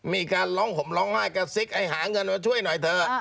มีการร้องห่มร้องไห้กระซิกให้หาเงินมาช่วยหน่อยเถอะ